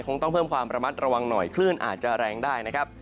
ต้องเพิ่มความระมัดระวังหน่อยคลื่นอาจจะแรงได้นะครับ